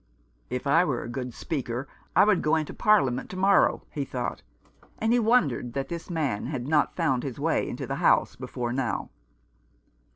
" If I were a good speaker I would go into Parliament to morrow," he thought ; and he wondered that this man had not found his way into the House before now.